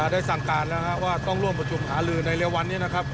ได้สั่งการแล้วว่าต้องร่วมประชุมหาลือในเร็ววันนี้นะครับ